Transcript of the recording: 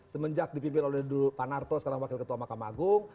semenjak dipimpin oleh dulu pak narto sekarang wakil ketua mahkamah agung